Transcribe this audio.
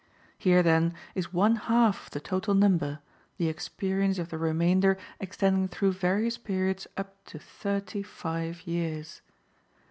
Here, then, is one half of the total number, the experience of the remainder extending through various periods up to thirty five years.